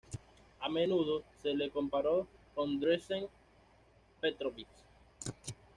A menudo se le comparó con Dražen Petrović.